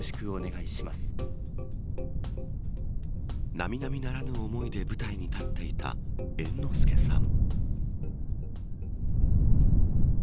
並々ならぬ思いで舞台に立っていた猿之助さん。